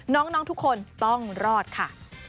น้องทุกคนต้องรอดค่ะ